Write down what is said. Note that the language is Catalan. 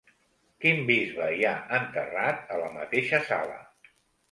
Quin bisbe hi ha enterrat a la mateixa sala?